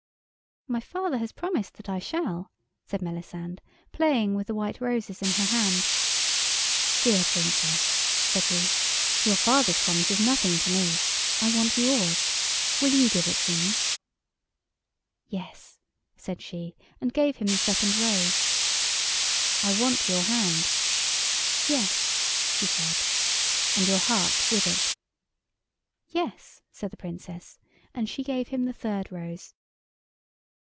"My father has promised that I shall," said Melisande, playing with the white roses in her hand. "Dear Princess," said he, "your father's promise is nothing to me. I want yours. Will you give it to me?" "Yes," said she, and gave him the second rose. "I want your hand." "Yes," she said. "And your heart with it." "Yes," said the Princess, and she gave him the third rose.